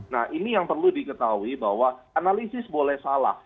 nah ini yang perlu diketahui bahwa analisis boleh salah